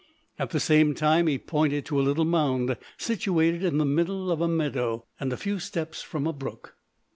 At the same time he pointed to a little mound situated in the middle of a meadow and a few steps from a brook.